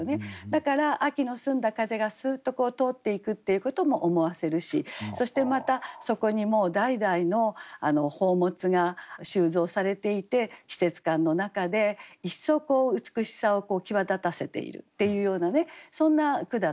だから秋の澄んだ風がスーッと通っていくっていうことも思わせるしそしてまたそこにもう代々の宝物が収蔵されていて季節感の中で一層美しさを際立たせているっていうようなそんな句だと思います。